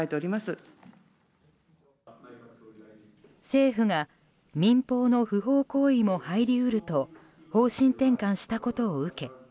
政府が民法の不法行為も入り得ると方針転換したことを受け